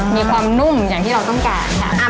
มีความนุ่มอย่างที่เราต้องการค่ะ